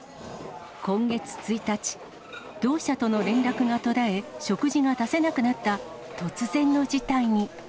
今月１日、業者との連絡が途絶え、食事が出せなくなった突然の事態に。